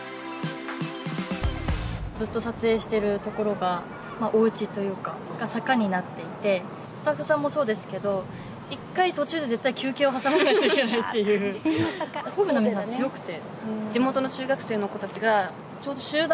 ずっと撮影してるところがおうちというか坂になっていてスタッフさんもそうですけど１回途中で絶対休憩を挟まないといけないという神戸の皆さん強くて。